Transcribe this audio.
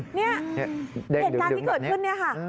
เห็นจังที่เกิดขึ้นเนี่ยค่ะ